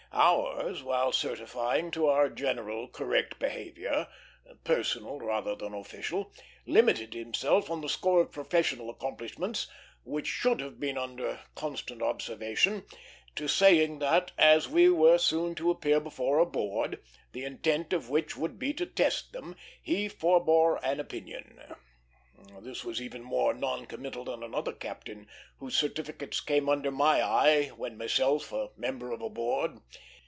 Ours, while certifying to our general correct behavior personal rather than official limited himself, on the score of professional accomplishments, which should have been under constant observance, to saying that, as we were soon to appear before a board, the intent of which would be to test them, he forbore an opinion. This was even more non committal than another captain, whose certificates came under my eye when myself a member of a board.